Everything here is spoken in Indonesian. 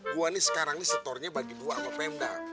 gue nih sekarang storenya bagi dua sama prem dah